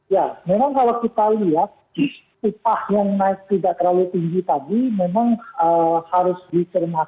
ya memang kalau kita lihat upah yang naik tidak terlalu